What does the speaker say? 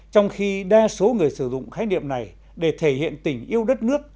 trong khi đa số người sử dụng khái niệm này để thể hiện tình yêu đất nước